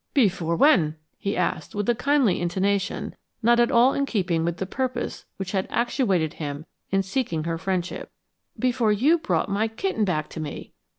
"Before when?" he asked with a kindly intonation not at all in keeping with the purpose which had actuated him in seeking her friendship. "Before you brought my kitten back to me."